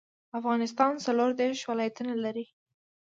افغانستان څلور ديرش ولايتونه لري